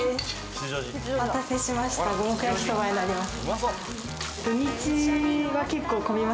お待たせしました五目焼きそばになります。